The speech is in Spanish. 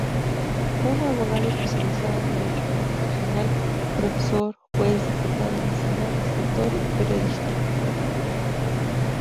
Fue un abogado especializado en derecho constitucional, profesor, juez, diputado nacional, escritor y periodista.